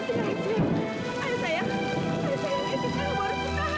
ibu gak sengaja